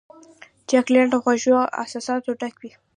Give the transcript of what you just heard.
چاکلېټ له خوږو احساساتو ډک وي.